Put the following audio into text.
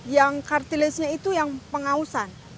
yang kartilesnya itu yang pengausan